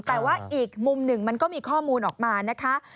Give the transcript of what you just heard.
แต่ว่าอีกมุมหนึ่งมันก็มีข้อมูลออกมานะคะ